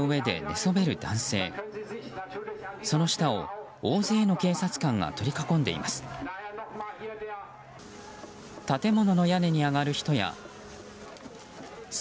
その下を大勢の警察官が取り囲んでいます。